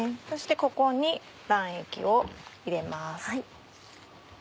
そしてここに卵液を入れます。